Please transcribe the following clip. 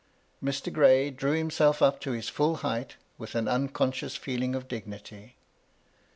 Mr. Gray drew himself up to his fiill height, with an unconscious feeling of dignity.